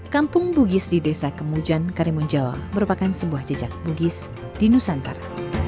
kampung bugis di desa kemujan karimun jawa merupakan sebuah jejak bugis di nusantara